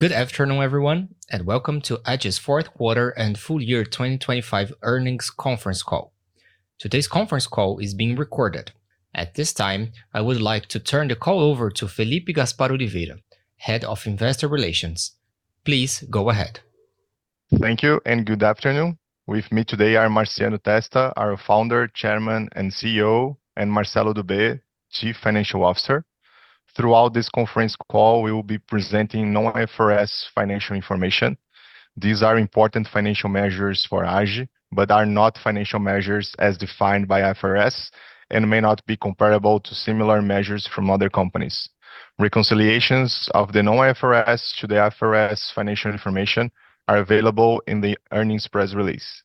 Good afternoon everyone, and welcome to Agi's fourth quarter and full year 2025 earnings conference call. Today's conference call is being recorded. At this time, I would like to turn the call over to Felipe Gaspar Oliveira, Head of Investor Relations. Please go ahead. Thank you, and good afternoon. With me today are Marciano Testa, our Founder, Chairman, and CEO, and Marcello Dubeux, Chief Financial Officer. Throughout this conference call, we will be presenting non-IFRS financial information. These are important financial measures for Agi, but are not financial measures as defined by IFRS and may not be comparable to similar measures from other companies. Reconciliations of the non-IFRS to the IFRS financial information are available in the earnings press release.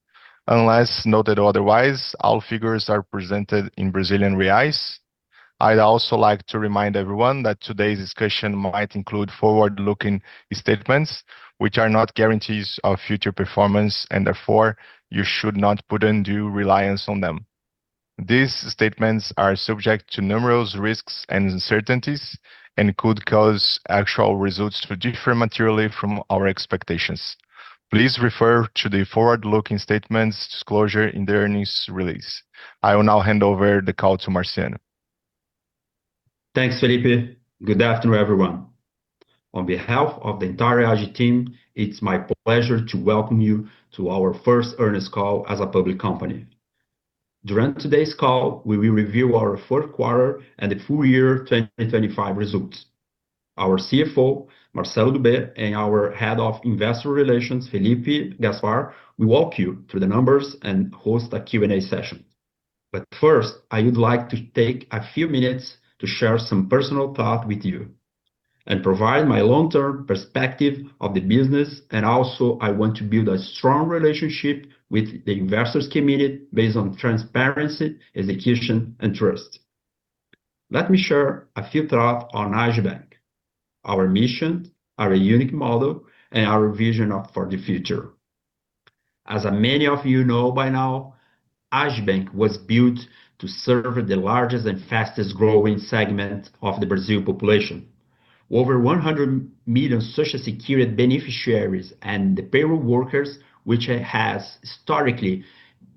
Unless noted otherwise, all figures are presented in Brazilian reais. I'd also like to remind everyone that today's discussion might include forward-looking statements, which are not guarantees of future performance, and therefore you should not put undue reliance on them. These statements are subject to numerous risks and uncertainties and could cause actual results to differ materially from our expectations. Please refer to the forward-looking statements disclosure in the earnings release. I will now hand over the call to Marciano. Thanks, Felipe. Good afternoon, everyone. On behalf of the entire Agi team, it's my pleasure to welcome you to our first earnings call as a public company. During today's call, we will review our fourth quarter and the full year 2025 results. Our CFO, Marcello Dubeux, and our Head of Investor Relations, Felipe Gaspar, will walk you through the numbers and host a Q&A session. First, I would like to take a few minutes to share some personal thought with you and provide my long-term perspective of the business, and also I want to build a strong relationship with the investor community based on transparency, execution, and trust. Let me share a few thoughts on Agibank, our mission, our unique model, and our vision for the future. As many of you know by now, Agibank was built to serve the largest and fastest-growing segment of the Brazilian population, over 100 million Social Security beneficiaries and the payroll workers which has historically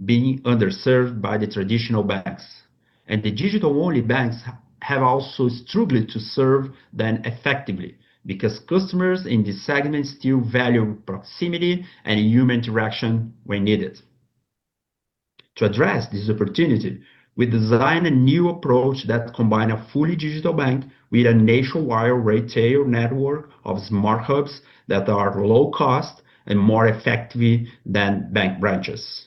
been underserved by the traditional banks. The digital-only banks have also struggled to serve them effectively because customers in this segment still value proximity and human interaction when needed. To address this opportunity, we designed a new approach that combine a fully digital bank with a nationwide retail network of Smart Hubs that are low cost and more effective than bank branches.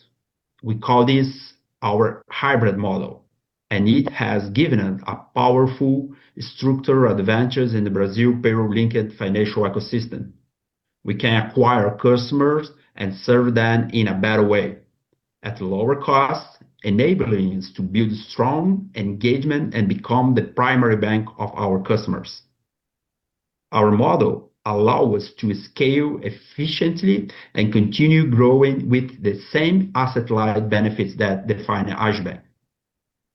We call this our hybrid model, and it has given us a powerful structural advantage in the Brazilian payroll-linked financial ecosystem. We can acquire customers and serve them in a better way at lower cost, enabling us to build strong engagement and become the primary bank of our customers. Our model allow us to scale efficiently and continue growing with the same asset-light benefits that define Agibank.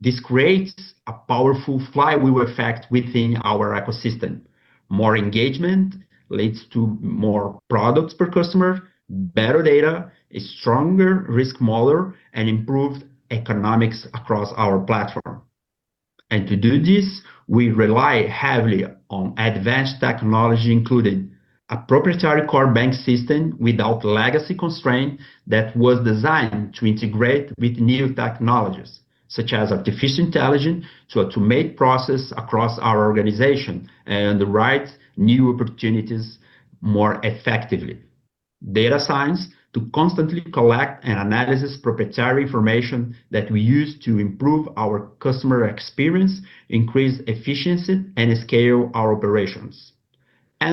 This creates a powerful flywheel effect within our ecosystem. More engagement leads to more products per customer, better data, a stronger risk model, and improved economics across our platform. To do this, we rely heavily on advanced technology, including a proprietary core bank system without legacy constraint that was designed to integrate with new technologies such as artificial intelligence to automate process across our organization and write new opportunities more effectively. Data science to constantly collect and analyze proprietary information that we use to improve our customer experience, increase efficiency, and scale our operations.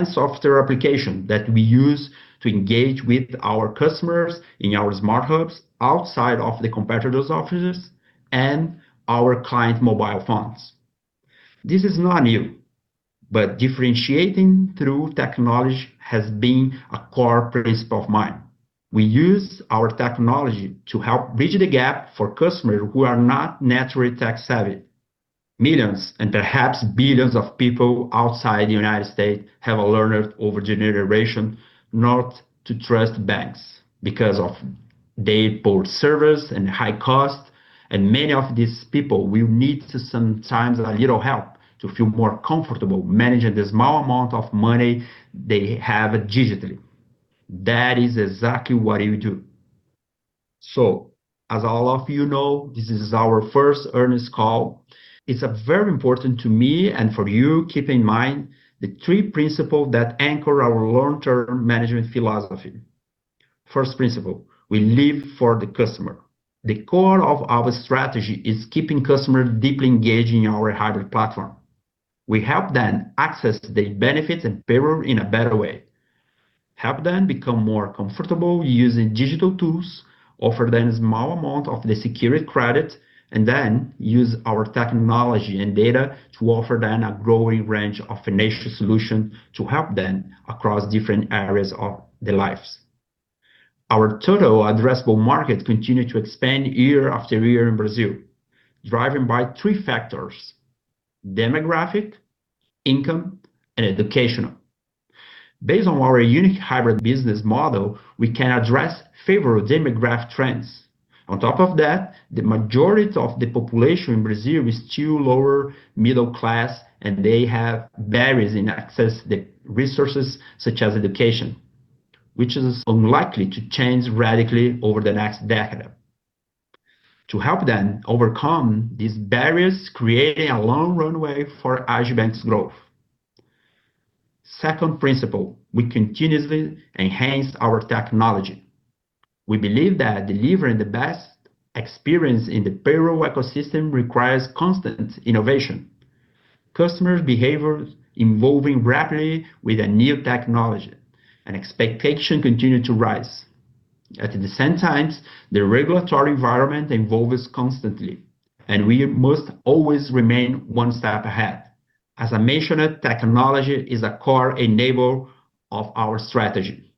Software application that we use to engage with our customers in our Smart Hubs outside of the competitors' offices and our client mobile phones. This is not new, but differentiating through technology has been a core principle of mine. We use our technology to help bridge the gap for customers who are not naturally tech-savvy. Millions, and perhaps billions of people outside the United States have learned over generation not to trust banks because of their poor service and high cost. Many of these people will need to sometimes a little help to feel more comfortable managing the small amount of money they have digitally. That is exactly what we do. As all of you know, this is our first earnings call. It's very important to me and for you keep in mind the three principle that anchor our long-term management philosophy. First principle. We live for the customer. The core of our strategy is keeping customers deeply engaged in our hybrid platform. We help them access their benefits and payroll in a better way, help them become more comfortable using digital tools, offer them small amount of the secured credit, and then use our technology and data to offer them a growing range of financial solution to help them across different areas of their lives. Our total addressable market continue to expand year after year in Brazil, driven by three factors, demographic, income, and educational. Based on our unique hybrid business model, we can address favorable demographic trends. On top of that, the majority of the population in Brazil is still lower middle class, and they have barriers in accessing the resources such as education, which is unlikely to change radically over the next decade. To help them overcome these barriers, creating a long runway for Agibank's growth. Second principle, we continuously enhance our technology. We believe that delivering the best experience in the payroll ecosystem requires constant innovation. Customer behavior is evolving rapidly with new technology, and expectations continue to rise. At the same time, the regulatory environment evolves constantly, and we must always remain one step ahead. As I mentioned, technology is a core enabler of our strategy,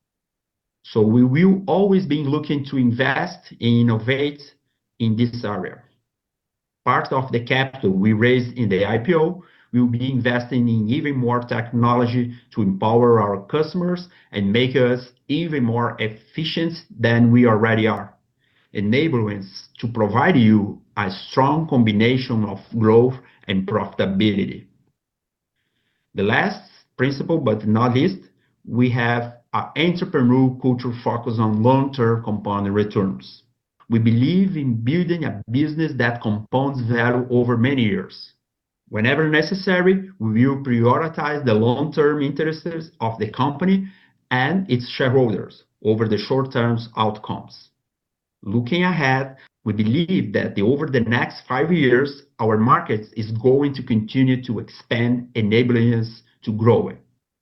so we will always be looking to invest and innovate in this area. Part of the capital we raised in the IPO, we will be investing in even more technology to empower our customers and make us even more efficient than we already are, enabling us to provide you a strong combination of growth and profitability. The last principle, but not least, we have an entrepreneurial culture focused on long-term compound returns. We believe in building a business that compounds value over many years. Whenever necessary, we will prioritize the long-term interests of the company and its shareholders over the short-term outcomes. Looking ahead, we believe that over the next five years, our market is going to continue to expand, enabling us to grow it.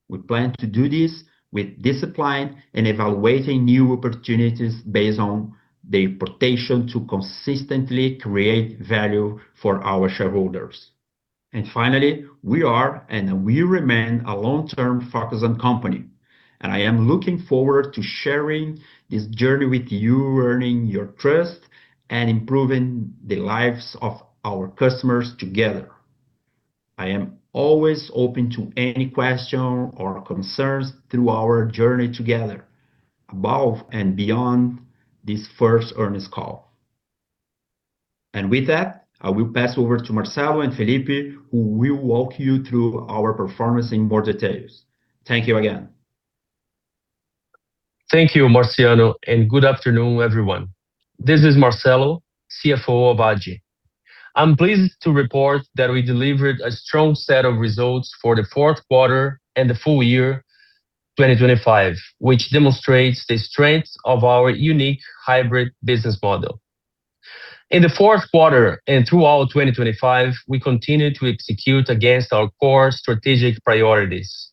We plan to do this with discipline and evaluating new opportunities based on the potential to consistently create value for our shareholders. Finally, we are and we remain a long-term focused company, and I am looking forward to sharing this journey with you, earning your trust, and improving the lives of our customers together. I am always open to any question or concerns through our journey together, above and beyond this first earnings call. With that, I will pass over to Marcello and Felipe, who will walk you through our performance in more details. Thank you again. Thank you, Marciano, and good afternoon, everyone. This is Marcello, CFO of Agi. I'm pleased to report that we delivered a strong set of results for the fourth quarter and the full year 2025, which demonstrates the strength of our unique hybrid business model. In the fourth quarter and throughout 2025, we continued to execute against our core strategic priorities,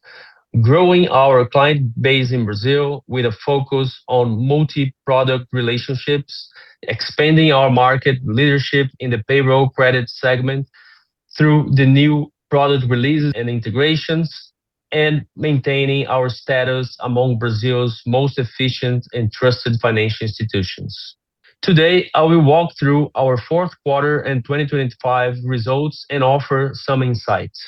growing our client base in Brazil with a focus on multi-product relationships, expanding our market leadership in the payroll credit segment through the new product releases and integrations, and maintaining our status among Brazil's most efficient and trusted financial institutions. Today, I will walk through our fourth quarter and 2025 results and offer some insights.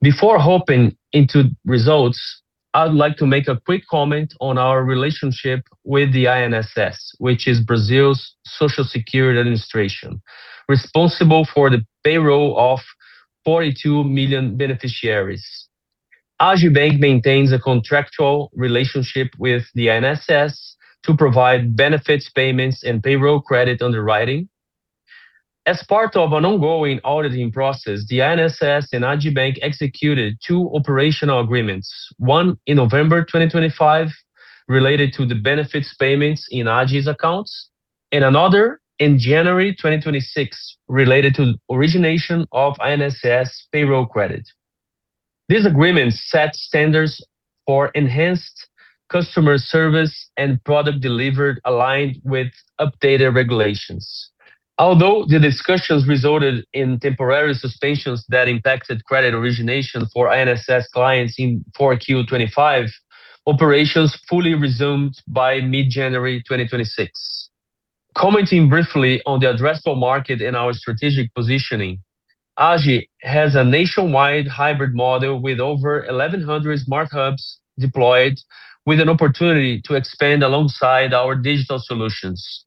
Before hopping into results, I'd like to make a quick comment on our relationship with the INSS, which is Brazil's Social Security Administration, responsible for the payroll of 42 million beneficiaries. Agibank maintains a contractual relationship with the INSS to provide benefits, payments, and payroll credit underwriting. As part of an ongoing auditing process, the INSS and Agibank executed two operational agreements, one in November 2025 related to the benefits payments in Agi's accounts, and another in January 2026 related to origination of INSS payroll credit. These agreements set standards for enhanced customer service and product delivered aligned with updated regulations. Although the discussions resulted in temporary suspensions that impacted credit origination for INSS clients in 4Q 2025, operations fully resumed by mid-January 2026. Commenting briefly on the addressable market and our strategic positioning, Agi has a nationwide hybrid model with over 1,100 Smart Hubs deployed with an opportunity to expand alongside our digital solutions.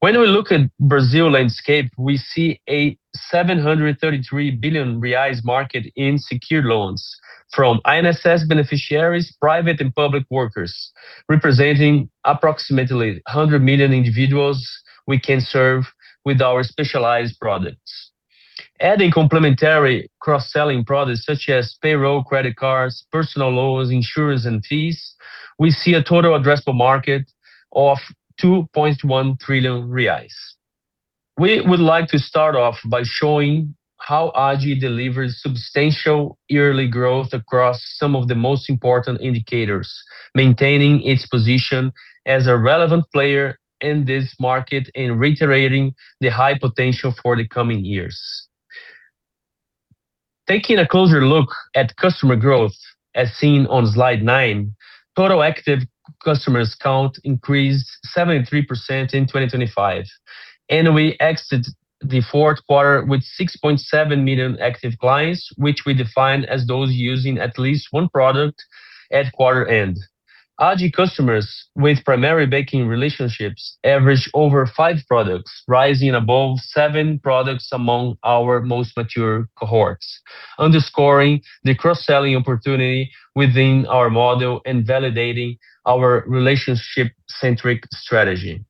When we look at the Brazilian landscape, we see a 733 billion reais market in secure loans from INSS beneficiaries, private and public workers, representing approximately 100 million individuals we can serve with our specialized products. Adding complementary cross-selling products such as payroll, credit cards, personal loans, insurance, and fees, we see a total addressable market of 2.1 trillion reais. We would like to start off by showing how Agi delivers substantial yearly growth across some of the most important indicators, maintaining its position as a relevant player in this market and reiterating the high potential for the coming years. Taking a closer look at customer growth, as seen on slide nine, total active customers count increased 73% in 2025. We exited the fourth quarter with 6.7 million active clients, which we define as those using at least one product at quarter end. Agi customers with primary banking relationships average over five products, rising above seven products among our most mature cohorts, underscoring the cross-selling opportunity within our model and validating our relationship centric strategy.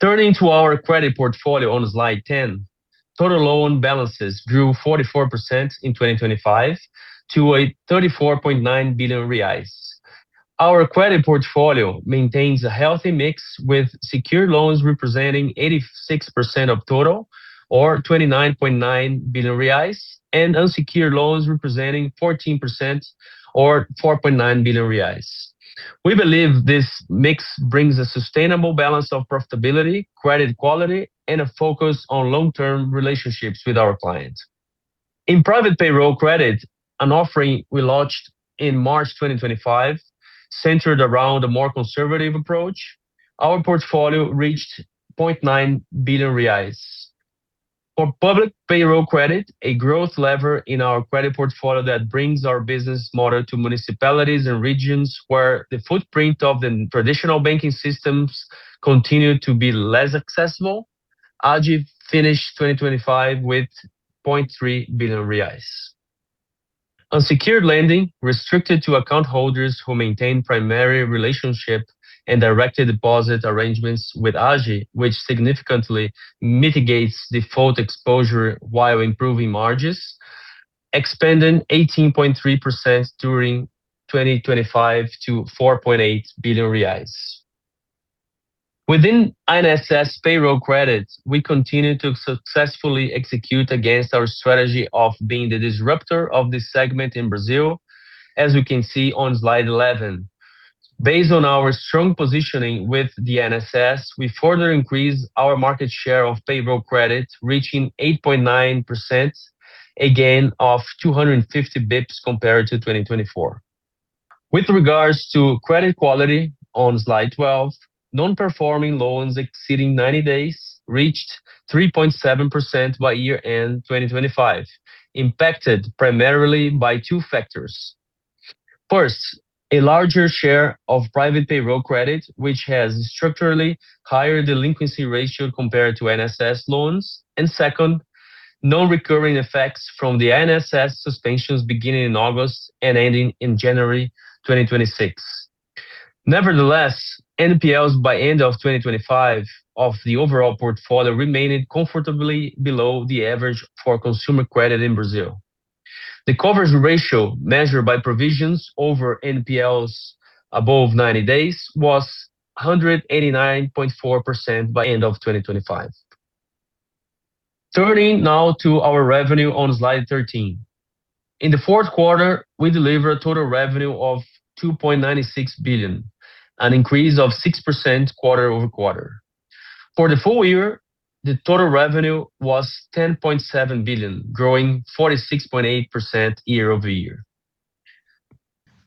Turning to our credit portfolio on slide 10, total loan balances grew 44% in 2025 to 34.9 billion reais. Our credit portfolio maintains a healthy mix, with secure loans representing 86% of total or 29.9 billion reais and unsecured loans representing 14% or 4.9 billion reais. We believe this mix brings a sustainable balance of profitability, credit quality, and a focus on long-term relationships with our clients. In private payroll credit, an offering we launched in March 2025 centered around a more conservative approach, our portfolio reached 0.9 billion reais. For public payroll credit, a growth lever in our credit portfolio that brings our business model to municipalities and regions where the footprint of the traditional banking systems continue to be less accessible, Agi finished 2025 with BRL 0.3 billion. Unsecured lending restricted to account holders who maintain primary relationship and directed deposit arrangements with Agi, which significantly mitigates default exposure while improving margins, expanded 18.3% during 2025 to 4.8 billion reais. Within INSS payroll credits, we continue to successfully execute against our strategy of being the disruptor of this segment in Brazil, as we can see on slide 11. Based on our strong positioning with the INSS, we further increased our market share of payroll credit reaching 8.9%, a gain of 250 basis points compared to 2024. With regards to credit quality on slide 12, non-performing loans exceeding 90 days reached 3.7% by year-end 2025, impacted primarily by two factors. First, a larger share of private payroll credit, which has structurally higher delinquency ratio compared to INSS loans. Second, no recurring effects from the INSS suspensions beginning in August and ending in January 2026. Nevertheless, NPLs by end of 2025 of the overall portfolio remained comfortably below the average for consumer credit in Brazil. The coverage ratio measured by provisions over NPLs above 90 days was 189.4% by end of 2025. Turning now to our revenue on slide 13. In the fourth quarter, we delivered total revenue of 2.96 billion, an increase of 6% quarter-over-quarter. For the full year, the total revenue was 10.7 billion, growing 46.8% year-over-year.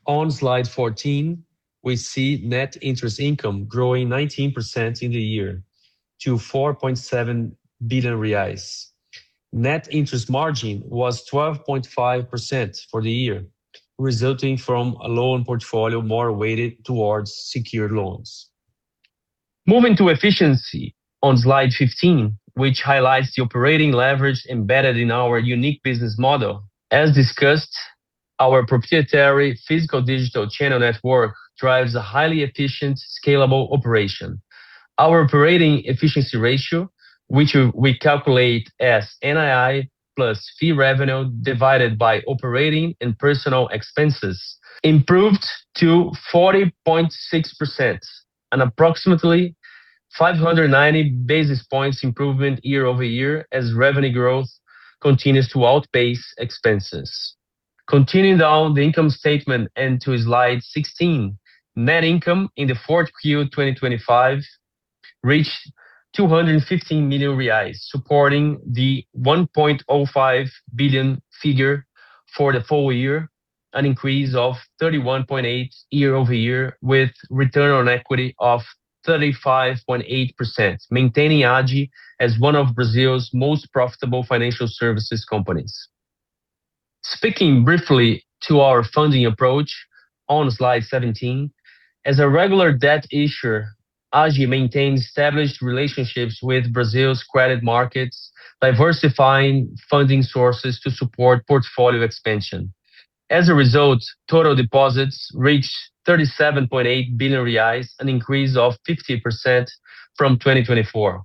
On slide 14, we see Net Interest Income growing 19% in the year to 4.7 billion reais. Net Interest Margin was 12.5% for the year, resulting from a loan portfolio more weighted towards secured loans. Moving to efficiency on slide 15, which highlights the operating leverage embedded in our unique business model. As discussed, our proprietary physical digital channel network drives a highly efficient scalable operation. Our operating efficiency ratio, which we calculate as NII plus fee revenue divided by operating and personnel expenses, improved to 40.6%. An approximately 590 basis points improvement year-over-year as revenue growth continues to outpace expenses. Continuing down the income statement and to slide 16. Net income in the fourth Q 2025 reached 215 million reais, supporting the 1.05 billion figure for the full year, an increase of 31.8 year-over-year with Return on Equity of 35.8%, maintaining Agi as one of Brazil's most profitable financial services companies. Speaking briefly to our funding approach on slide 17. As a regular debt issuer, Agi maintains established relationships with Brazil's credit markets, diversifying funding sources to support portfolio expansion. As a result, total deposits reached 37.8 billion reais, an increase of 50% from 2024.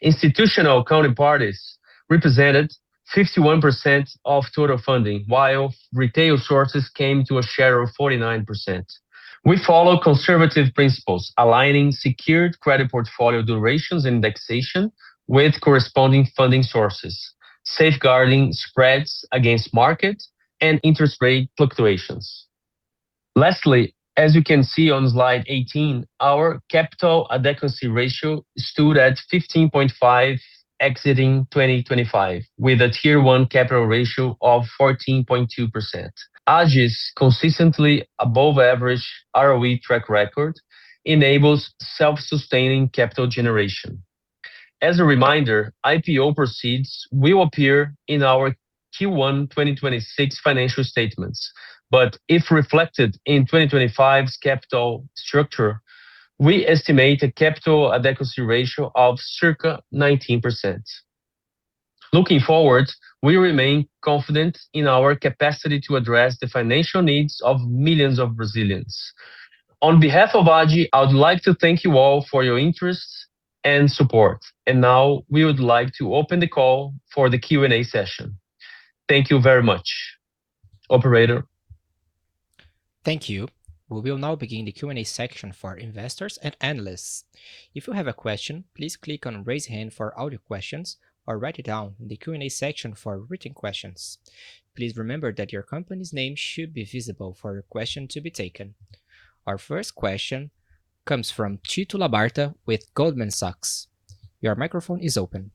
Institutional counterparties represented 51% of total funding, while retail sources came to a share of 49%. We follow conservative principles, aligning secured credit portfolio durations indexation with corresponding funding sources, safeguarding spreads against market and interest rate fluctuations. Lastly, as you can see on slide 18, our Capital Adequacy Ratio stood at 15.5 exiting 2025, with a Tier 1 capital ratio of 14.2%. Agi's consistently above average ROE track record enables self-sustaining capital generation. As a reminder, IPO proceeds will appear in our Q1 2026 financial statements. If reflected in 2025's capital structure, we estimate a Capital Adequacy Ratio of circa 19%. Looking forward, we remain confident in our capacity to address the financial needs of millions of Brazilians. On behalf of Agi, I would like to thank you all for your interest and support. Now we would like to open the call for the Q&A session. Thank you very much. Operator? Thank you. We will now begin the Q&A section for investors and analysts. If you have a question, please click on raise hand for audio questions or write it down in the Q&A section for written questions. Please remember that your company's name should be visible for your question to be taken. Our first question comes from Tito Labarta with Goldman Sachs. Your microphone is open.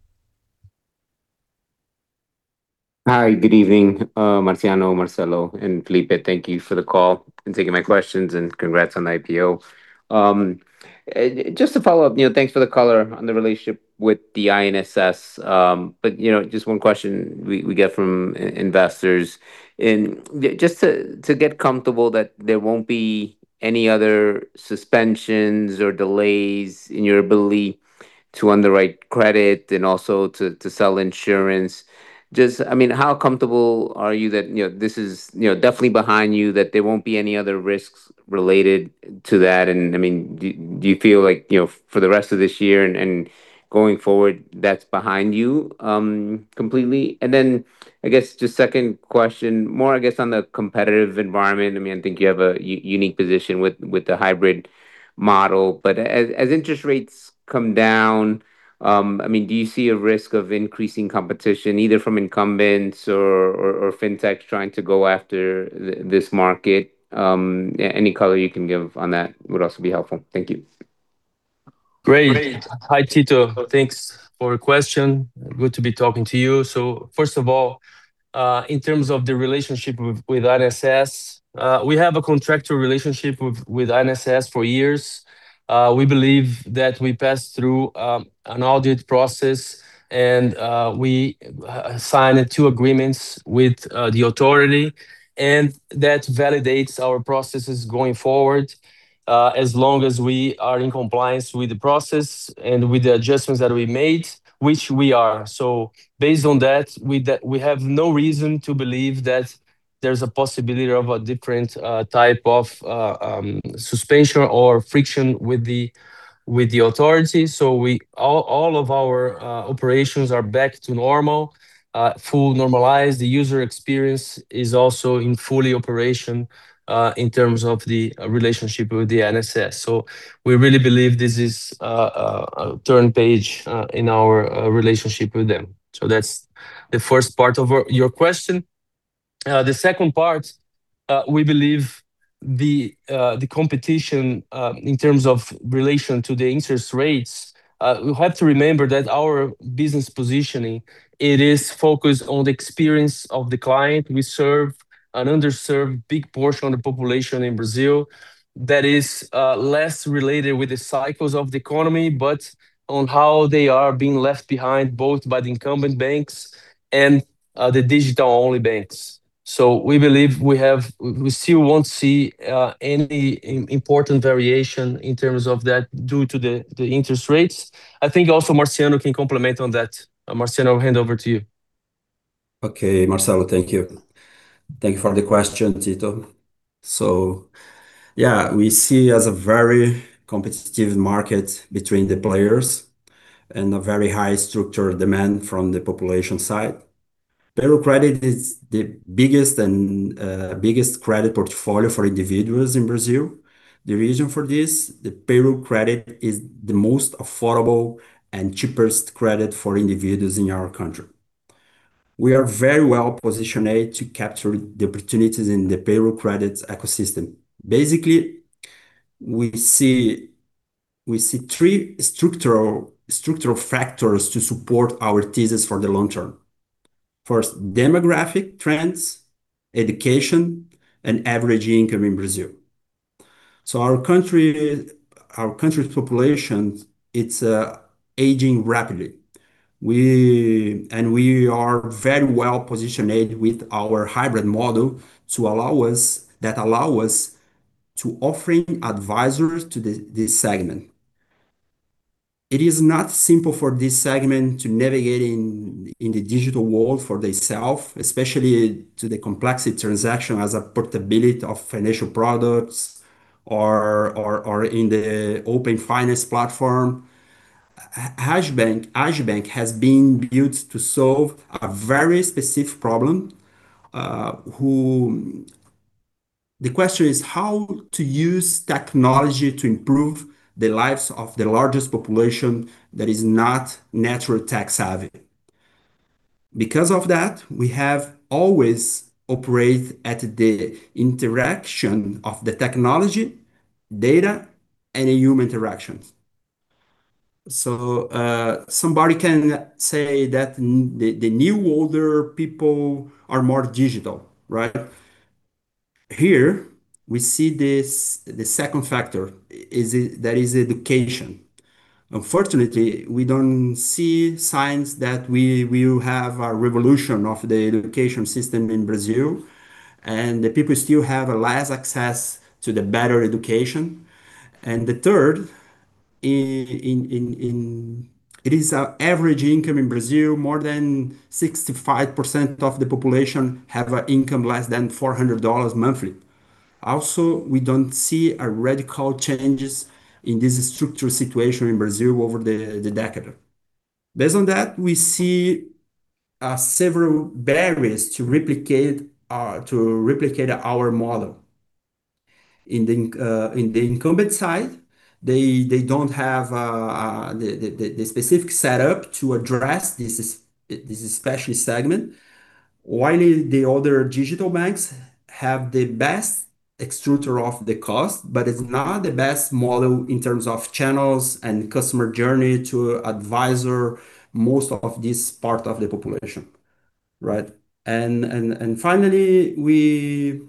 Hi. Good evening, Marciano, Marcello, and Felipe. Thank you for the call and taking my questions, and congrats on the IPO. Just to follow up, you know, thanks for the color on the relationship with the INSS. You know, just one question we get from investors. Just to get comfortable that there won't be any other suspensions or delays in your ability to underwrite credit and also to sell insurance. I mean, how comfortable are you that, you know, this is definitely behind you, that there won't be any other risks related to that? I mean, do you feel like, you know, for the rest of this year and going forward, that's behind you completely? I guess just second question, more I guess on the competitive environment. I mean, I think you have a unique position with the hybrid model. As interest rates come down, I mean, do you see a risk of increasing competition either from incumbents or fintechs trying to go after this market? Any color you can give on that would also be helpful. Thank you. Great. Hi, Tito. Thanks for the question. Good to be talking to you. First of all, in terms of the relationship with INSS, we have a contractual relationship with INSS for years. We believe that we passed through an audit process and we signed two agreements with the authority, and that validates our processes going forward, as long as we are in compliance with the process and with the adjustments that we made, which we are. Based on that, we have no reason to believe that there's a possibility of a different type of suspension or friction with the authority. All of our operations are back to normal, fully normalized. The user experience is also fully operational in terms of the relationship with the INSS. We really believe this is a turned page in our relationship with them. That's the first part of your question. The second part, we believe the competition in terms of relation to the interest rates. You have to remember that our business positioning it is focused on the experience of the client. We serve an underserved big portion of the population in Brazil that is less related with the cycles of the economy, but on how they are being left behind, both by the incumbent banks and the digital-only banks. We believe we still won't see any important variation in terms of that due to the interest rates. I think also Marciano can comment on that. Marciano, I'll hand over to you. Okay, Marcello, thank you. Thank you for the question, Tito. Yeah, we see as a very competitive market between the players and a very high structured demand from the population side. Payroll credit is the biggest credit portfolio for individuals in Brazil. The reason for this, the payroll credit is the most affordable and cheapest credit for individuals in our country. We are very well positioned to capture the opportunities in the payroll credits ecosystem. Basically, we see three structural factors to support our thesis for the long term. First, demographic trends, education and average income in Brazil. Our country's population is aging rapidly. We are very well positioned with our hybrid model to allow us to offer advisors to this segment. It is not simple for this segment to navigate in the digital world for their self, especially to the complex transaction as a portability of financial products or in the Open Finance platform. Agibank has been built to solve a very specific problem. The question is how to use technology to improve the lives of the largest population that is not natural tech-savvy. Because of that, we have always operate at the interaction of the technology, data, and the human interactions. Somebody can say that the new older people are more digital, right? Here we see this, the second factor is that is education. Unfortunately, we don't see signs that we will have a revolution of the education system in Brazil, and the people still have less access to the better education. The third is average income in Brazil, more than 65% of the population have an income less than $400 monthly. Also, we don't see radical changes in this structural situation in Brazil over the decade. Based on that, we see several barriers to replicate our model. In the incumbent side, they don't have the specific setup to address this special segment. While the other digital banks have the best structure of the cost, but it's not the best model in terms of channels and customer journey to address most of this part of the population, right? Finally, we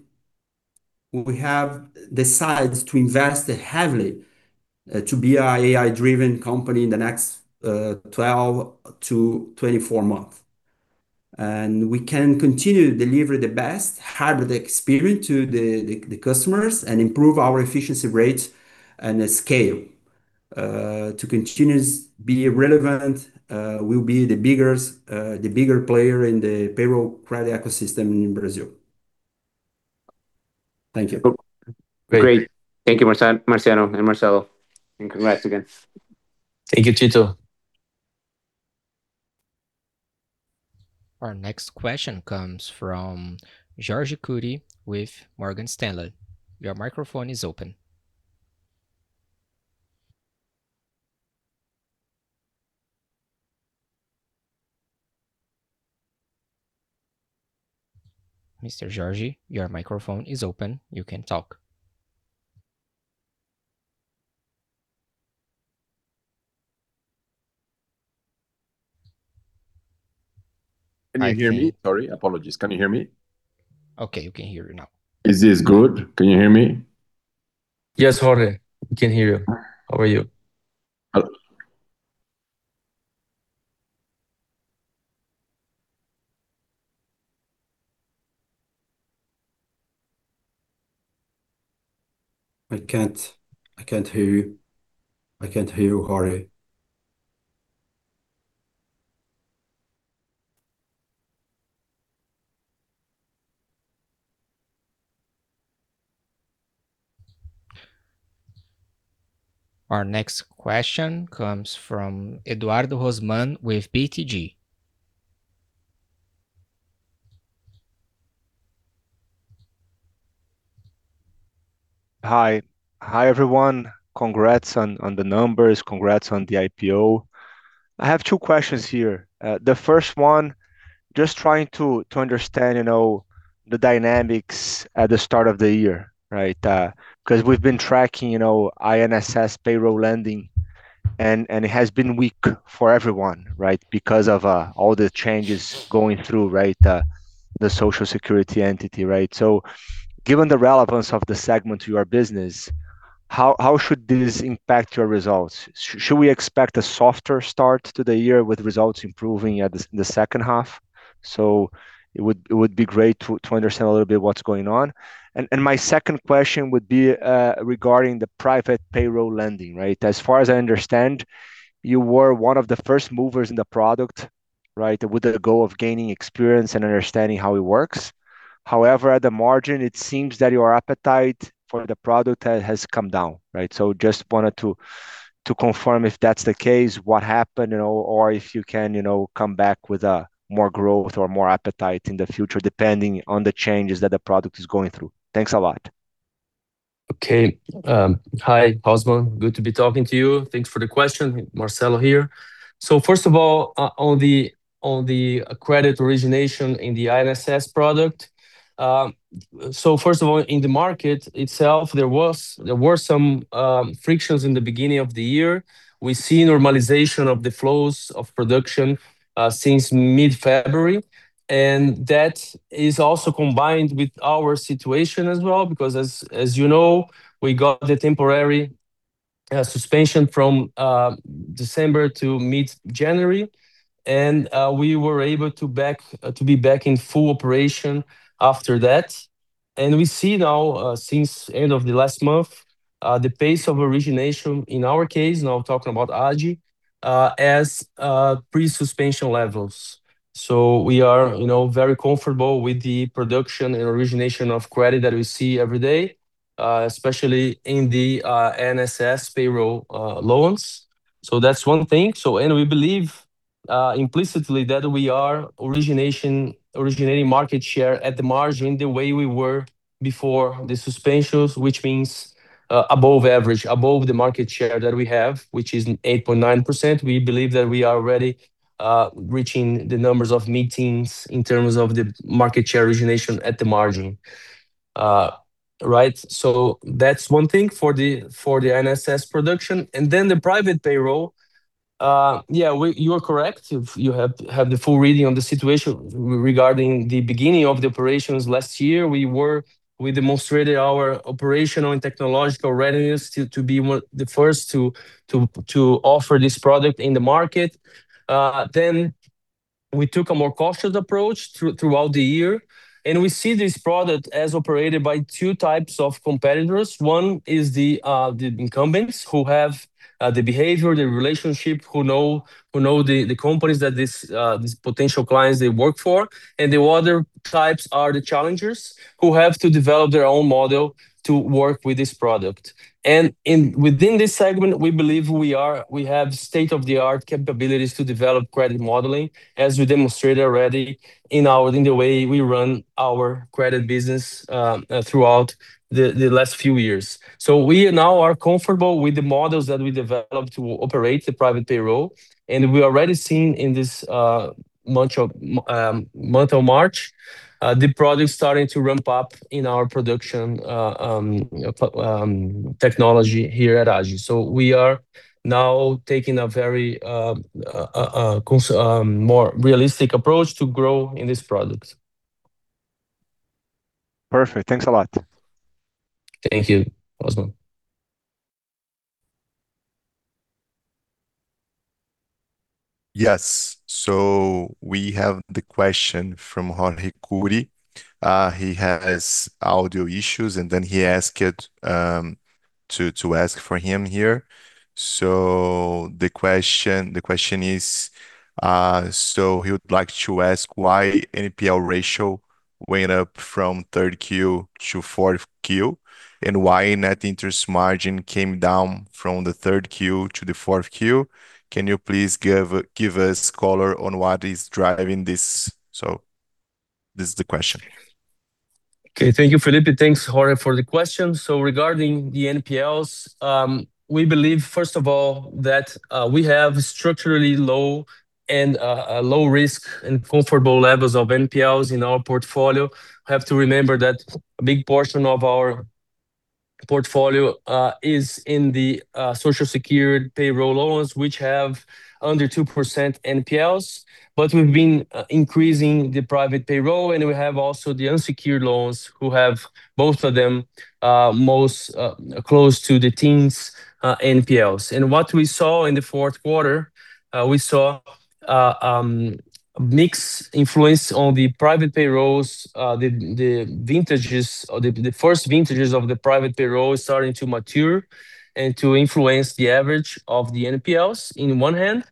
have decided to invest heavily to be an AI-driven company in the next 12-24 months. We can continue to deliver the best hybrid experience to the customers and improve our efficiency rates and scale. To continue to be relevant, we'll be the bigger player in the payroll credit ecosystem in Brazil. Thank you. Great. Thank you, Marciano and Marcello, and congrats again. Thank you, Tito. Our next question comes from Jorge Kuri with Morgan Stanley. Your microphone is open. Mr. Kuri, your microphone is open. You can talk. Can you hear me? Sorry, apologies. Can you hear me? Okay, we can hear you now. Is this good? Can you hear me? Yes, Jorge, we can hear you. How are you? Hello. I can't hear you, Jorge. Our next question comes from Eduardo Rosman with BTG. Hi. Hi, everyone. Congrats on the numbers. Congrats on the IPO. I have two questions here. The first one, just trying to understand, you know, the dynamics at the start of the year, right? 'Cause we've been tracking, you know, INSS payroll lending and it has been weak for everyone, right? Because of all the changes going through, right? The Social Security entity, right? Given the relevance of the segment to your business, how should this impact your results? Should we expect a softer start to the year with results improving at the second half? It would be great to understand a little bit what's going on. My second question would be regarding the private payroll lending, right? As far as I understand, you were one of the first movers in the product, right? With the goal of gaining experience and understanding how it works. However, at the margin, it seems that your appetite for the product has come down, right? Just wanted to confirm if that's the case, what happened, you know, or if you can, you know, come back with more growth or more appetite in the future, depending on the changes that the product is going through. Thanks a lot. Okay. Hi, Rosman. Good to be talking to you. Thanks for the question. Marcello here. First of all, on the credit origination in the INSS product, first of all, in the market itself, there were some frictions in the beginning of the year. We see normalization of the flows of production since mid-February, and that is also combined with our situation as well because as you know, we got the temporary suspension from December to mid-January, and we were able to be back in full operation after that. We see now, since end of the last month, the pace of origination in our case, now talking about Agi, as pre-suspension levels. We are, you know, very comfortable with the production and origination of credit that we see every day, especially in the INSS payroll loans. That's one thing. We believe implicitly that we are originating market share at the margin the way we were before the suspensions, which means above average, above the market share that we have, which is 8.9%. We believe that we are already reaching the numbers of metrics in terms of the market share origination at the margin. Right. That's one thing for the INSS production. Then the private payroll, yeah, you are correct. You have the full reading on the situation regarding the beginning of the operations last year. We demonstrated our operational and technological readiness to be the first to offer this product in the market. We took a more cautious approach throughout the year, and we see this product as operated by two types of competitors. One is the incumbents who have the behavior, the relationship, who know the companies that these potential clients work for. The other types are the challengers who have to develop their own model to work with this product. Within this segment, we believe we have state-of-the-art capabilities to develop credit modeling, as we demonstrated already in the way we run our credit business throughout the last few years. We now are comfortable with the models that we developed to operate the private payroll, and we already seen in this month of March the product starting to ramp up in our production technology here at Agi. We are now taking a very more realistic approach to grow in this product. Perfect. Thanks a lot. Thank you. Awesome. Yes. We have the question from Jorge Kuri. He has audio issues, and then he asked it to ask for him here. The question is, he would like to ask why NPL ratio went up from third Q to fourth Q, and why Net Interest Margin came down from the third Q to the fourth Q. Can you please give us color on what is driving this? This is the question. Okay. Thank you, Felipe. Thanks, Jorge, for the question. Regarding the NPLs, we believe, first of all, that we have structurally low and low risk and comfortable levels of NPLs in our portfolio. Have to remember that a big portion of our portfolio is in the Social Security payroll loans, which have under 2% NPLs. We've been increasing the private payroll, and we have also the unsecured loans who have both of them most close to the teens' NPLs. What we saw in the fourth quarter, we saw a mix influence on the private payrolls, the vintages or the first vintages of the private payroll is starting to mature and to influence the average of the NPLs on one hand.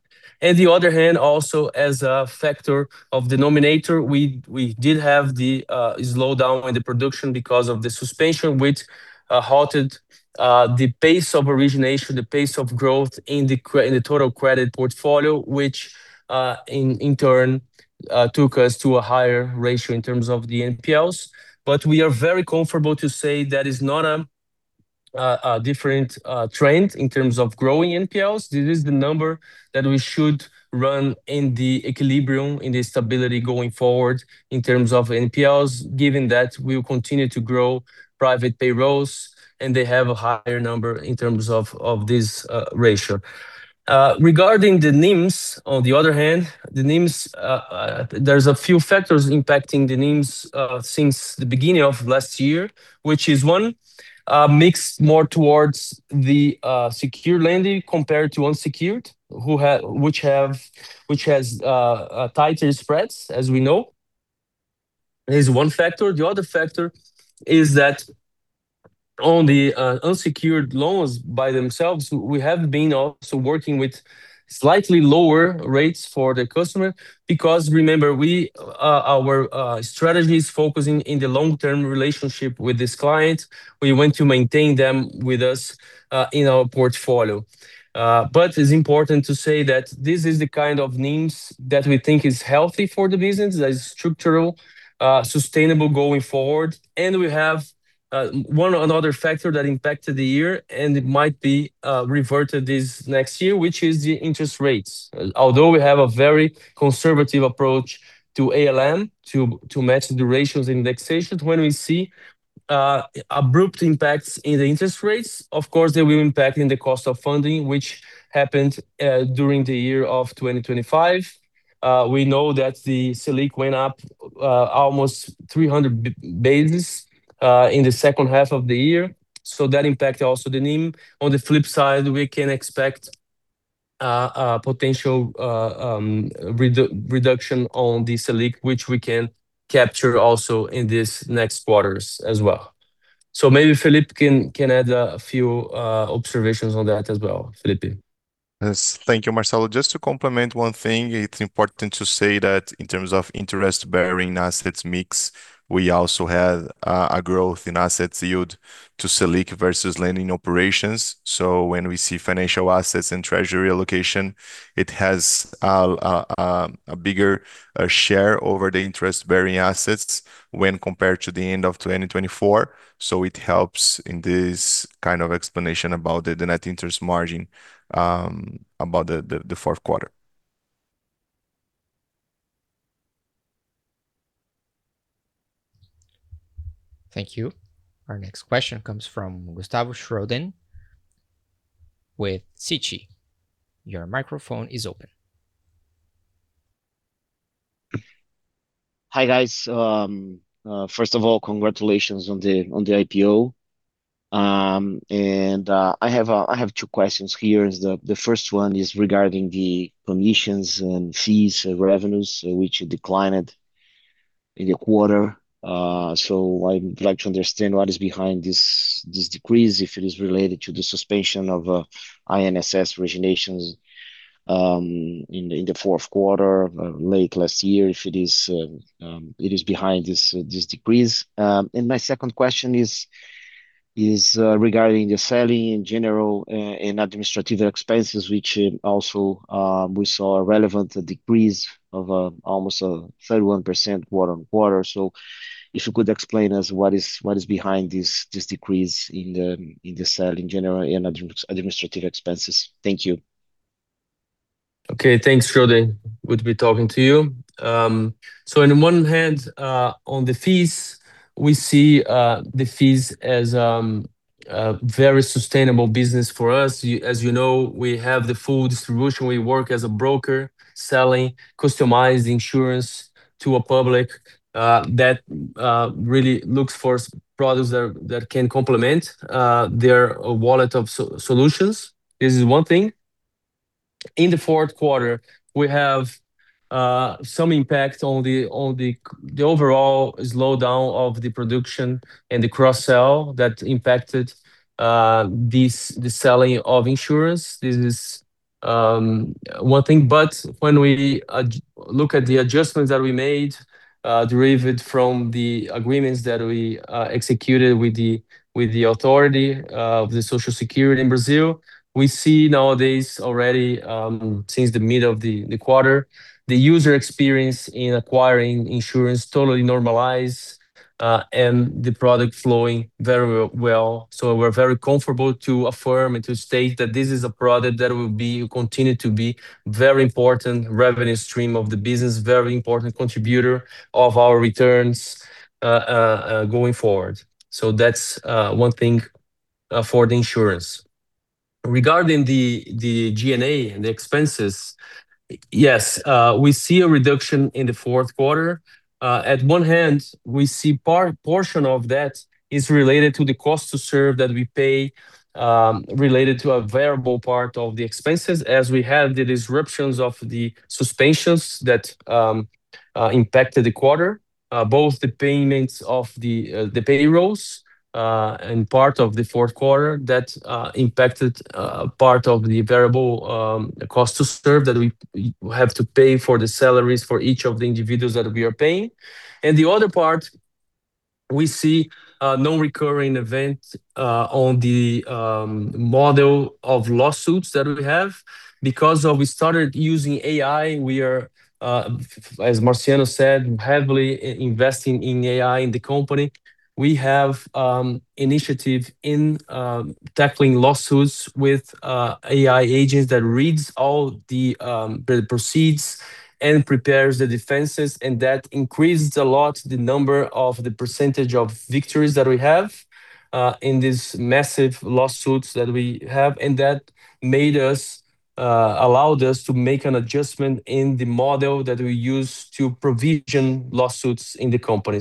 On the other hand, also as a factor of denominator, we did have the slowdown in the production because of the suspension which halted the pace of origination, the pace of growth in the total credit portfolio, which, in turn, took us to a higher ratio in terms of the NPLs. We are very comfortable to say that is not a different trend in terms of growing NPLs. This is the number that we should run in the equilibrium, in the stability going forward in terms of NPLs, given that we will continue to grow private payrolls, and they have a higher number in terms of this ratio. Regarding the NIMs, on the other hand, there's a few factors impacting the NIMs since the beginning of last year, which is one, mixed more towards the secured lending compared to unsecured, which has tighter spreads, as we know, is one factor. The other factor is that on the unsecured loans by themselves, we have been also working with slightly lower rates for the customer because remember our strategy is focusing in the long-term relationship with this client. We want to maintain them with us in our portfolio. It's important to say that this is the kind of NIMs that we think is healthy for the business, that is structural, sustainable going forward. We have one other factor that impacted the year, and it might be reverted this next year, which is the interest rates. Although we have a very conservative approach to ALM to match the ratios indexation, when we see abrupt impacts in the interest rates, of course, they will impact in the cost of funding, which happened during the year of 2025. We know that the Selic went up almost 300 basis points in the second half of the year, so that impacted also the NIM. On the flip side, we can expect a potential reduction on the Selic, which we can capture also in this next quarters as well. Maybe Felipe can add a few observations on that as well. Felipe? Yes. Thank you, Marcello. Just to complement one thing, it's important to say that in terms of interest-bearing assets mix, we also have a growth in assets yield to Selic versus lending operations. When we see financial assets and treasury allocation, it has a bigger share over the interest-bearing assets when compared to the end of 2024, it helps in this kind of explanation about the Net Interest Margin about the fourth quarter. Thank you. Our next question comes from Gustavo Schroden with Citi. Your microphone is open. Hi, guys. First of all, congratulations on the IPO. I have two questions here. The first one is regarding the commissions and fees revenues, which declined in the quarter. I would like to understand what is behind this decrease, if it is related to the suspension of INSS originations in the fourth quarter late last year, if it is behind this decrease. My second question is regarding the selling, general, and administrative expenses, which also we saw a relevant decrease of almost 31% quarter-on-quarter. If you could explain us what is behind this decrease in the selling, general, and administrative expenses. Thank you. Okay. Thanks, Schroden. Good to be talking to you. So on the one hand, on the fees, we see the fees as very sustainable business for us. As you know, we have the full distribution. We work as a broker selling customized insurance to a public that really looks for products that can complement their wallet of solutions. This is one thing. In the fourth quarter, we have some impact on the overall slowdown of the production and the cross-sell that impacted the selling of insurance. This is one thing. When we look at the adjustments that we made, derived from the agreements that we executed with the authority of the Social Security in Brazil, we see nowadays already, since the middle of the quarter, the user experience in acquiring insurance totally normalized, and the product flowing very well. We're very comfortable to affirm and to state that this is a product that will continue to be very important revenue stream of the business, very important contributor of our returns, going forward. That's one thing for the insurance. Regarding the G&A and the expenses, yes, we see a reduction in the fourth quarter. On one hand, we see portion of that is related to the cost to serve that we pay, related to a variable part of the expenses as we have the disruptions of the suspensions that impacted the quarter, both the payments of the payrolls and part of the fourth quarter that impacted part of the variable cost to serve that we have to pay for the salaries for each of the individuals that we are paying. The other part, we see non-recurring event on the model of lawsuits that we have. Because we started using AI, we are, as Marciano said, heavily investing in AI in the company. We have initiative in tackling lawsuits with AI agents that reads all the the proceeds and prepares the defenses, and that increases a lot the number of the percentage of victories that we have in these massive lawsuits that we have. That allowed us to make an adjustment in the model that we use to provision lawsuits in the company.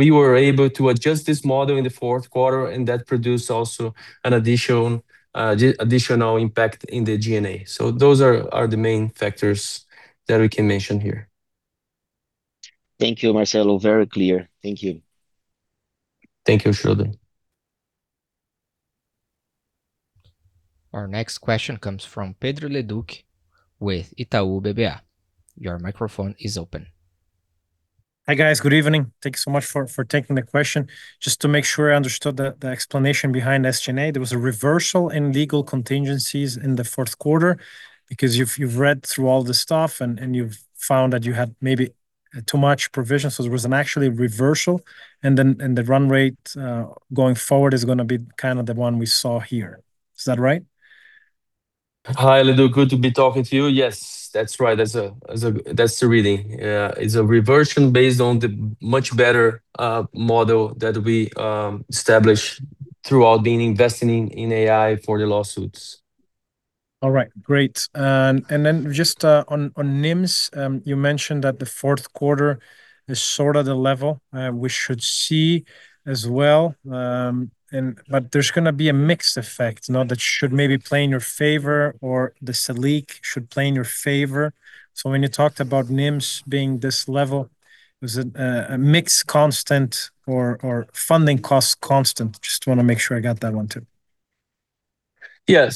We were able to adjust this model in the fourth quarter, and that produced also an additional impact in the G&A. Those are the main factors that we can mention here. Thank you, Marcello. Very clear. Thank you. Thank you, Schroden. Our next question comes from Pedro Leduc with Itaú BBA. Your microphone is open. Hi, guys. Good evening. Thank you so much for taking the question. Just to make sure I understood the explanation behind SG&A, there was a reversal in legal contingencies in the fourth quarter because you've read through all the stuff and you've found that you had maybe too much provision, so there was an actual reversal and the run rate going forward is gonna be kind of the one we saw here. Is that right? Hi, Leduc. Good to be talking to you. Yes, that's right. That's the reading. It's a reversion based on the much better model that we established through all the investing in AI for the lawsuits. All right, great. Then just on NIMs, you mentioned that the fourth quarter is sort of the level we should see as well. There's gonna be a mix effect now that should maybe play in your favor or the Selic should play in your favor. When you talked about NIMs being this level, was it a mix constant or funding cost constant? Just wanna make sure I got that one too. Yeah.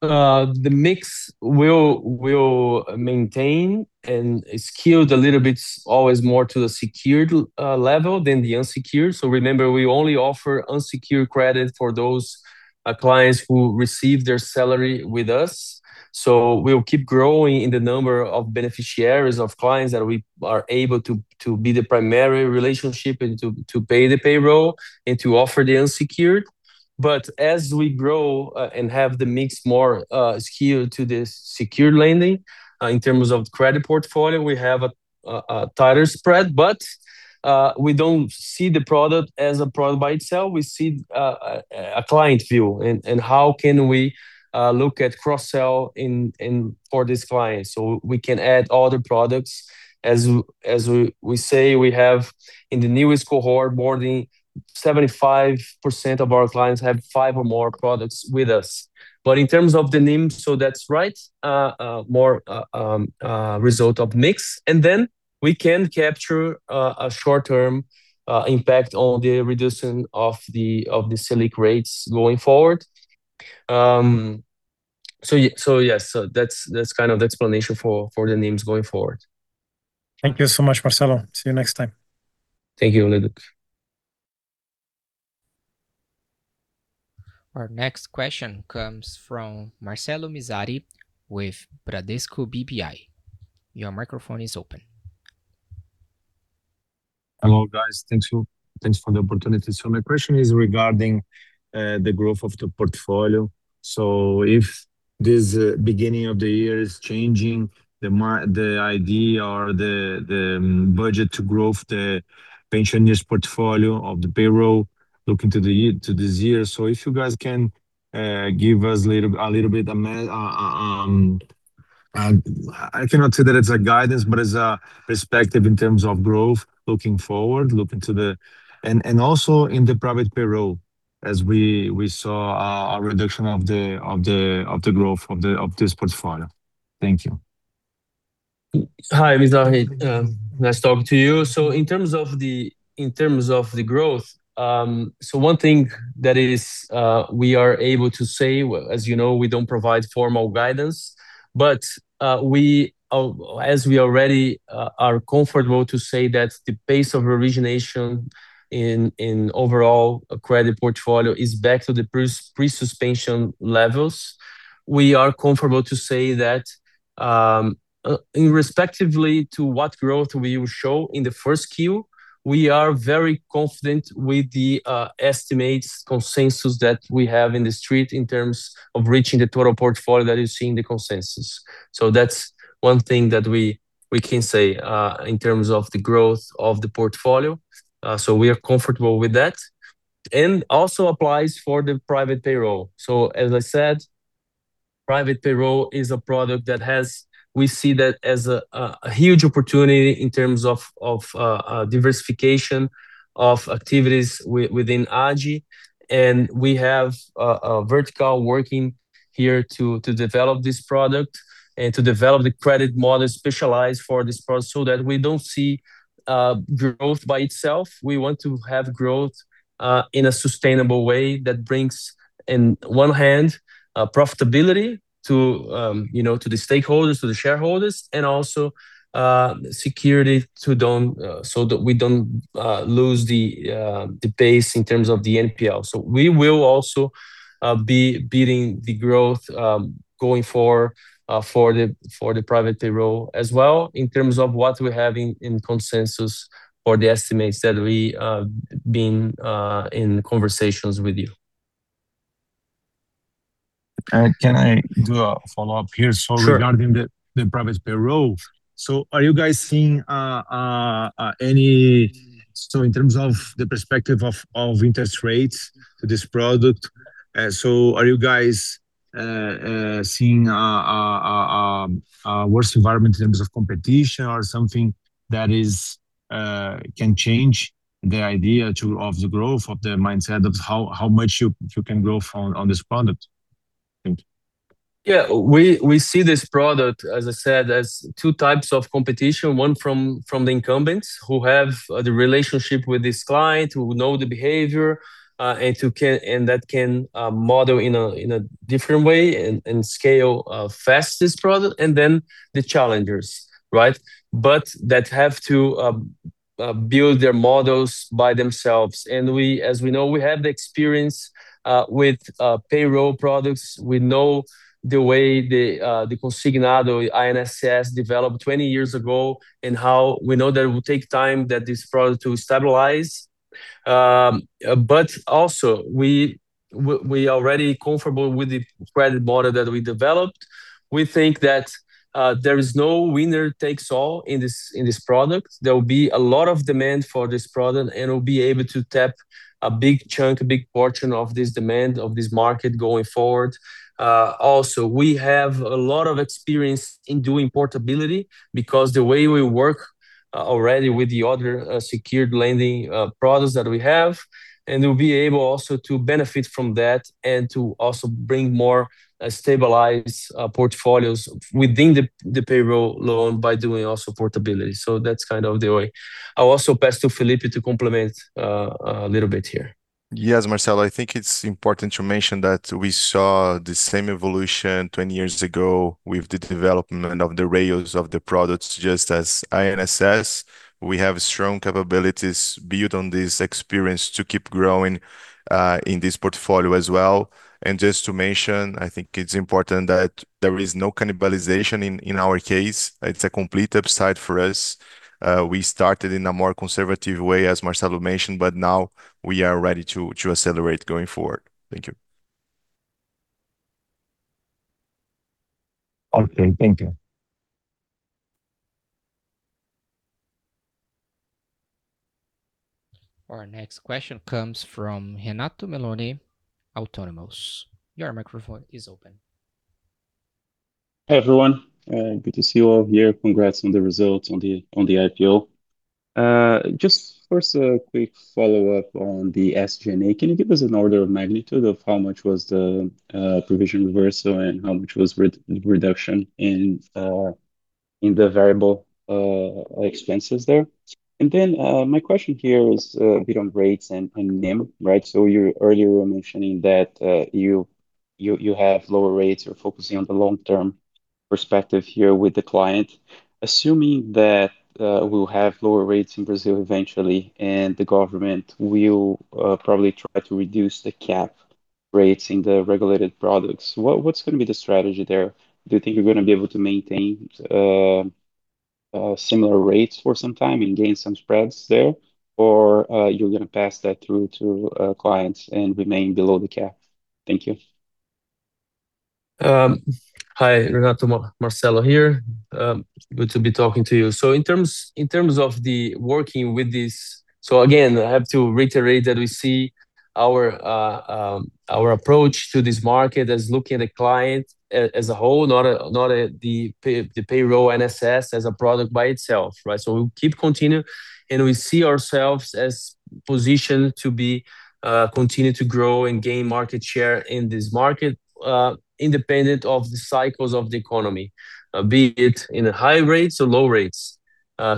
The mix will maintain and is skewed a little bit always more to the secured level than the unsecured. Remember, we only offer unsecured credit for those clients who receive their salary with us. We'll keep growing in the number of beneficiaries, of clients that we are able to be the primary relationship and to pay the payroll and to offer the unsecured. As we grow, and have the mix more skewed to the secured lending in terms of credit portfolio, we have a tighter spread, but we don't see the product as a product by itself. We see a client view and how can we look at cross-sell in for this client so we can add other products. As we say, in the newest cohort boarding, 75% of our clients have five or more products with us. In terms of the NIM, that's right, more a result of mix, and then we can capture a short-term impact on the reduction of the Selic rates going forward. Yes, that's kind of the explanation for the NIMs going forward. Thank you so much, Marcello. See you next time. Thank you, Leduc. Our next question comes from Marcelo Mizrahi with Bradesco BBI. Your microphone is open. Hello, guys. Thank you. Thanks for the opportunity. My question is regarding the growth of the portfolio. If this beginning of the year is changing the idea or the budget to growth, the pensioners portfolio of the payroll looking to this year. If you guys can give us a little bit, I cannot say that it's a guidance, but it's a perspective in terms of growth looking forward. Also in the private payroll as we saw a reduction of the growth of this portfolio. Thank you. Hi, Mizrahi. Nice talking to you. In terms of the growth, one thing, we are able to say, as you know, we don't provide formal guidance, but as we already are comfortable to say that the pace of origination in overall credit portfolio is back to the pre-suspension levels. We are comfortable to say that, irrespective of what growth we will show in the first Q, we are very confident with the consensus estimates that we have in the street in terms of reaching the total portfolio that is seen in the consensus. That's one thing that we can say in terms of the growth of the portfolio. We are comfortable with that. It also applies for the private payroll. As I said, private payroll is a product we see that as a huge opportunity in terms of diversification of activities within Agi. We have a vertical working here to develop this product and to develop the credit model specialized for this product so that we don't see growth by itself. We want to have growth in a sustainable way that brings, on one hand, profitability to, you know, to the stakeholders, to the shareholders, and also security so that we don't lose the pace in terms of the NPL. We will also be building the growth going forward for the private payroll as well in terms of what we have in consensus for the estimates that we've been in conversations with you. Can I do a follow-up here? Sure. Regarding the private payroll, in terms of the perspective of interest rates to this product, are you guys seeing a worse environment in terms of competition or something that can change the idea of the growth of the mindset of how much you can grow from on this product? Thank you. Yeah. We see this product, as I said, as two types of competition. One from the incumbents who have the relationship with this client, who know the behavior, and that can model in a different way and scale fast this product, and then the challengers, right? That have to build their models by themselves. We, as we know, have the experience with payroll products. We know the way the Consignado INSS developed 20 years ago and how we know that it will take time that this product to stabilize. Also we already comfortable with the credit model that we developed. We think that there is no winner takes all in this product. There will be a lot of demand for this product, and we'll be able to tap a big chunk, a big portion of this demand, of this market going forward. Also, we have a lot of experience in doing portability because the way we work already with the other secured lending products that we have, and we'll be able also to benefit from that and to also bring more stabilized portfolios within the payroll loan by doing also portability. That's kind of the way. I'll also pass to Felipe to complement a little bit here. Yes, Marcello, I think it's important to mention that we saw the same evolution 20 years ago with the development of the rails of the products. Just as INSS, we have strong capabilities built on this experience to keep growing in this portfolio as well. Just to mention, I think it's important that there is no cannibalization in our case. It's a complete upside for us. We started in a more conservative way, as Marcello mentioned, but now we are ready to accelerate going forward. Thank you. Okay. Thank you. Our next question comes from Renato Meloni, Autonomous. Your microphone is open. Hi, everyone. Good to see you all here. Congrats on the results on the IPO. Just a quick follow-up on the SG&A. Can you give us an order of magnitude of how much was the provision reversal and how much was reduction in the variable expenses there? My question here is a bit on rates and NIM, right? You earlier were mentioning that you have lower rates, you're focusing on the long-term perspective here with the client. Assuming that we'll have lower rates in Brazil eventually and the government will probably try to reduce the cap rates in the regulated products, what's gonna be the strategy there? Do you think you're gonna be able to maintain similar rates for some time and gain some spreads there, or you're gonna pass that through to clients and remain below the cap? Thank you. Hi Renato. Marcello here. Good to be talking to you. Again, I have to reiterate that we see our approach to this market as looking at the client as a whole, not the payroll INSS as a product by itself, right? We'll keep continuing, and we see ourselves as positioned to continue to grow and gain market share in this market, independent of the cycles of the economy, be it in high rates or low rates.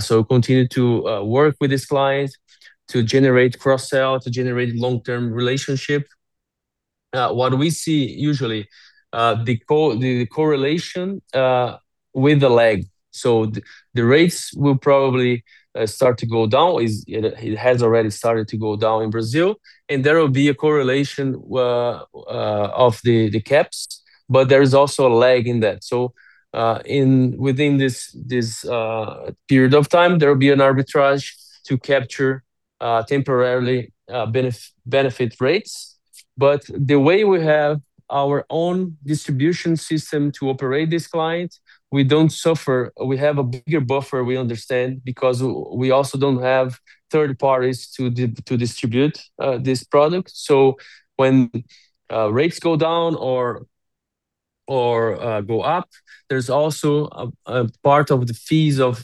Continue to work with this client to generate cross-sell, to generate long-term relationship. What we see usually, the correlation with the lag. The rates will probably start to go down. It has already started to go down in Brazil, and there will be a correlation of the caps, but there is also a lag in that. Within this period of time, there will be an arbitrage to capture temporarily benefit rates. The way we have our own distribution system to operate this client, we don't suffer. We have a bigger buffer, we understand, because we also don't have third parties to distribute this product. When rates go down or go up, there's also a part of the fees or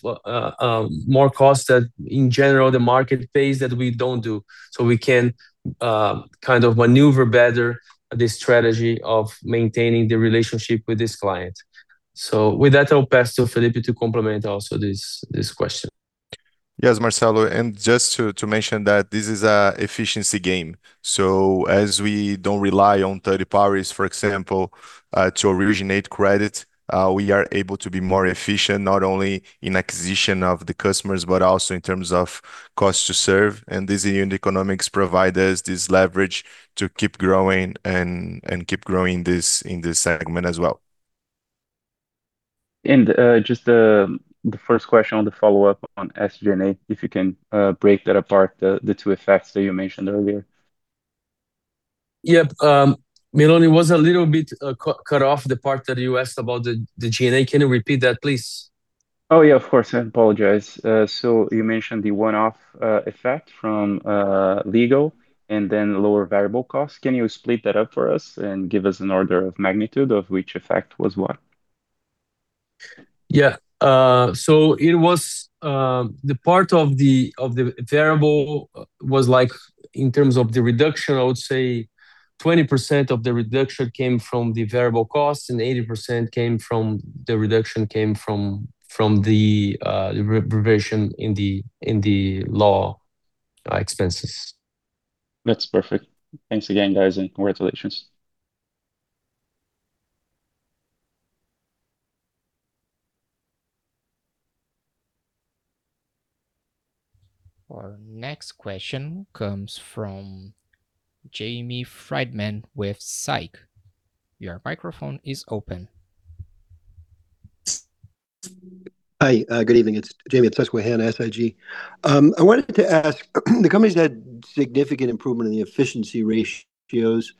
more cost that in general the market pays that we don't do. We can kind of maneuver better the strategy of maintaining the relationship with this client. With that, I'll pass to Felipe to complement also this question. Yes, Marcello, just to mention that this is an efficiency game. As we don't rely on third parties, for example, to originate credit, we are able to be more efficient, not only in acquisition of the customers, but also in terms of cost to serve. These unit economics provide us this leverage to keep growing and keep growing this in this segment as well. Just the first question on the follow-up on SG&A, if you can break that apart, the two effects that you mentioned earlier? Yep. Meloni, it was a little bit cut off the part that you asked about the G&A. Can you repeat that, please? Oh, yeah, of course. I apologize. So you mentioned the one-off effect from legal and then lower variable costs. Can you split that up for us and give us an order of magnitude of which effect was what? Yeah. It was the part of the variable was like in terms of the reduction. I would say 20% of the reduction came from the variable costs, and 80% came from the reduction in the SG&A expenses. That's perfect. Thanks again, guys, and congratulations. Our next question comes from Jamie Friedman with SIG. Your microphone is open. Hi, good evening. It's Jamie at Susquehanna, SIG. I wanted to ask, the company's had significant improvement in the efficiency ratios.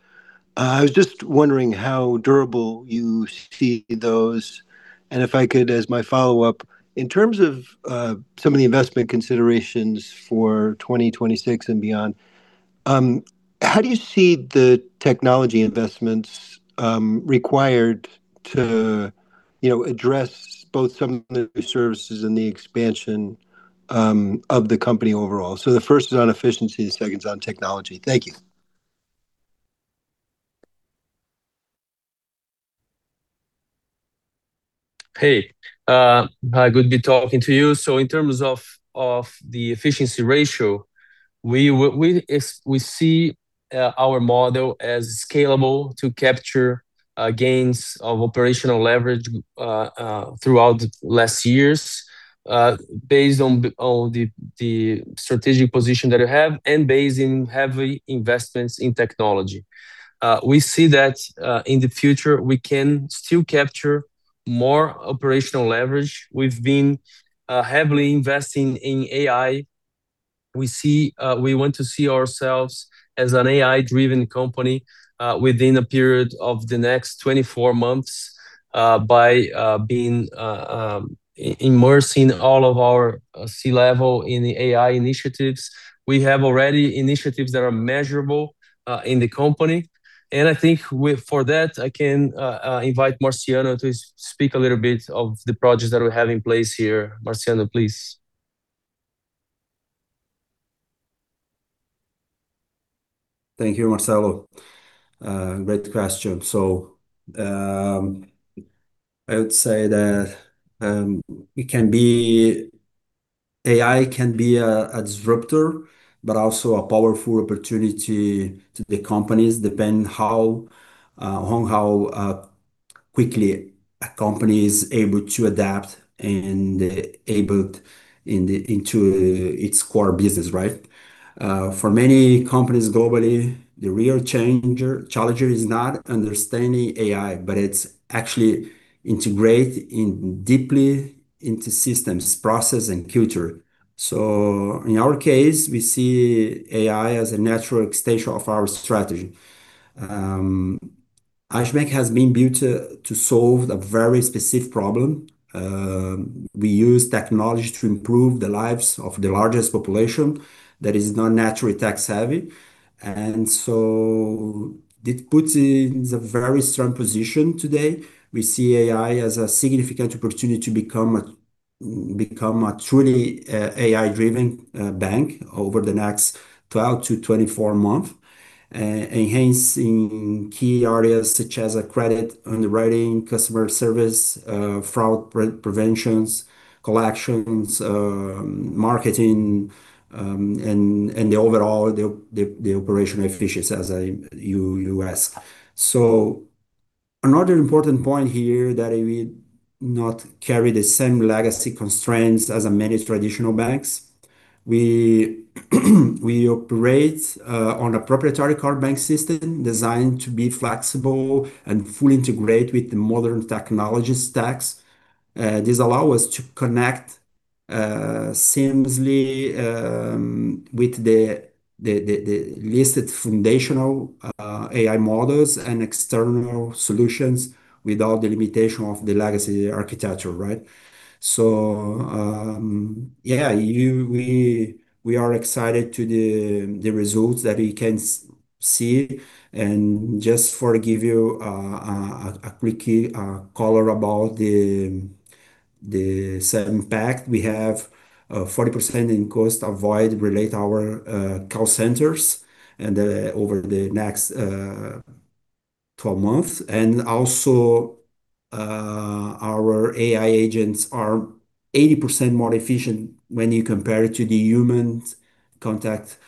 I was just wondering how durable you see those. If I could, as my follow-up, in terms of some of the investment considerations for 2026 and beyond, how do you see the technology investments required to, you know, address both some of the new services and the expansion of the company overall? So the first is on efficiency, the second's on technology. Thank you. Hey, hi. Good to be talking to you. In terms of the efficiency ratio, we see our model as scalable to capture gains of operational leverage throughout the last years based on the strategic position that we have and based in heavy investments in technology. We see that in the future, we can still capture more operational leverage. We've been heavily investing in AI. We see we want to see ourselves as an AI-driven company within a period of the next 24 months by immersing all of our C-level in the AI initiatives. We have already initiatives that are measurable in the company. I think with, for that, I can invite Marciano to speak a little bit of the projects that we have in place here. Marciano, please. Thank you, Marcello. Great question. I would say that it can be AI can be a disruptor, but also a powerful opportunity to the companies, depends on how quickly a company is able to adapt and integrate into its core business, right? For many companies globally, the real challenger is not understanding AI, but it's actually integrate deeply into systems, process and culture. In our case, we see AI as a natural extension of our strategy. Agibank has been built to solve a very specific problem. We use technology to improve the lives of the largest population that is not naturally tech-savvy. It puts us in a very strong position today. We see AI as a significant opportunity to become a truly AI-driven bank over the next 12-24 months, enhancing key areas such as credit underwriting, customer service, fraud prevention, collections, marketing, and the overall operational efficiency as you asked. Another important point here that we not carry the same legacy constraints as many traditional banks. We operate on a proprietary core bank system designed to be flexible and fully integrate with the modern technology stacks. This allow us to connect seamlessly with the latest foundational AI models and external solutions without the limitation of the legacy architecture, right? We are excited to the results that we can see. Just to give you a quick color about the impact, we have 40% in cost avoidance related to our call centers and over the next 12 months. Also, our AI agents are 80% more efficient when you compare it to the human contact.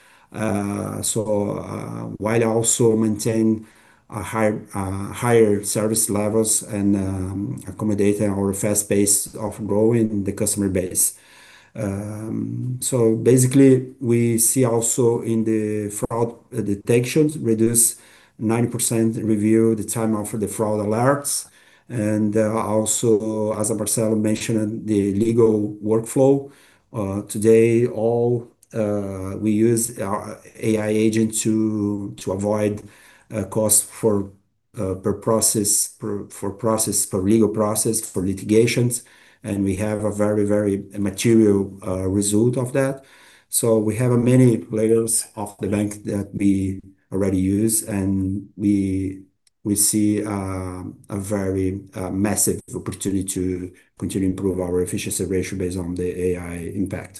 While also maintaining higher service levels and accommodate our fast pace of growing the customer base. Basically we see also in the fraud detection a 90% reduction in the review time of the fraud alerts. Also, as Marcello mentioned, the legal workflow today we use our AI agent to avoid costs per process for legal processes for litigations, and we have a very material result of that. We have many layers of the bank that we already use, and we see a very massive opportunity to continue to improve our efficiency ratio based on the AI impact.